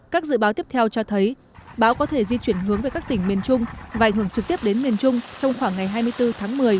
các dự báo tiếp theo cho thấy bão có thể di chuyển hướng về các tỉnh miền trung và ảnh hưởng trực tiếp đến miền trung trong khoảng ngày hai mươi bốn tháng một mươi